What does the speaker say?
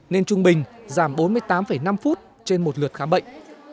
nên trung bình giảm bốn mươi tám năm phút trên một lượt khám bệnh